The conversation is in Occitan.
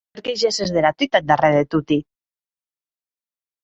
Per qué gesses dera tuta eth darrèr de toti?